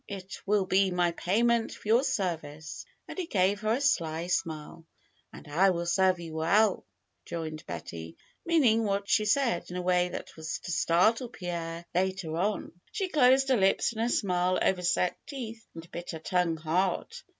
It will be my payment for your service," and he gave her a sly smile. '^And I will serve you well !" rejoined Betty, mean ing what she said in a way that was to startle Pierre FAITH 255 later on. She closed her lips in a smile over set teeth and bit her tongue hard.